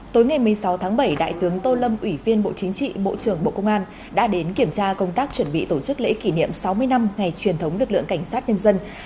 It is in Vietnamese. tối ngày một mươi sáu tháng bảy đại tướng tô lâm ủy viên bộ chính trị bộ trưởng bộ công an đã đến kiểm tra công tác chuẩn bị tổ chức lễ kỷ niệm sáu mươi năm ngày truyền thống lực lượng cảnh sát nhân dân